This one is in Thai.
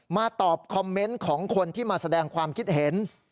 ตอบคอมเมนต์ของคนที่มาแสดงความคิดเห็น